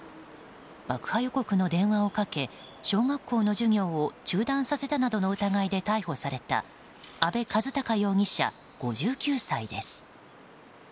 爆破予告の電話をかけ小学校の授業を中断させたなどの疑いで逮捕された阿部一貴容疑者、５９歳です。